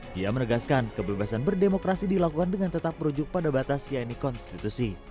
dia menegaskan kebebasan berdemokrasi dilakukan dengan tetap merujuk pada batas siani konstitusi